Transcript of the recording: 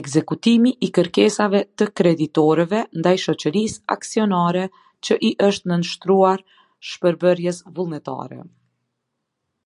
Ekzekutimi i Kërkesave të Kreditorëve Ndaj Shoqërisë Aksionare që i është Nënshtruar Shpërbërjes Vullnetare.